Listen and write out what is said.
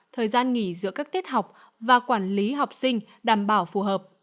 thời gian nghỉ giữa các tiết học và quản lý học sinh đảm bảo phù hợp